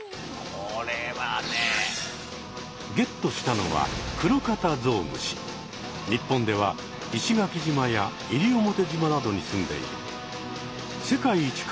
これはね。ゲットしたのは日本では石垣島や西表島などにすんでいる。